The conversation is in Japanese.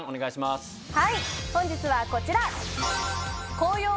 はい本日はこちら！